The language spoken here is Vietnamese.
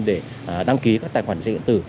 để đăng ký các tài khoản điện tử